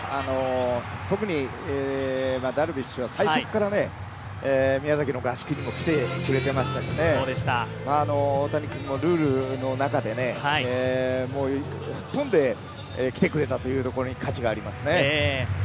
特にダルビッシュは最初から宮崎の合宿に来てくれていましたし、大谷君もルールの中で、飛んできてくれたというところに価値があると思いますね。